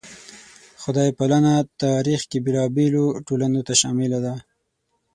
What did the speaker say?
خدای پالنه تاریخ کې بېلابېلو ټولنو ته شامله ده.